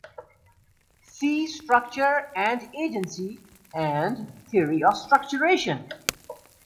See structure and agency and theory of structuration.